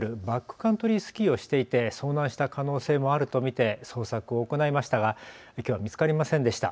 カントリースキーをしていて遭難した可能性もあると見て捜索を行いましたがきょうは見つかりませんでした。